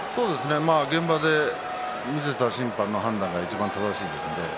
現場で見ていた審判の判断がいちばん正しいので。